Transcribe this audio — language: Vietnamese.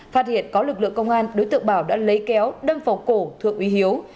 phát hiện có lực lượng công an đối tượng bảo đã lấy kéo đâm vào cổ thượng úy hiếu